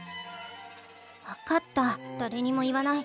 分かった誰にも言わない。